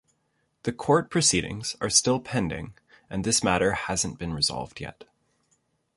The court proceedings are still pending and this matter hasn't been resolved yet.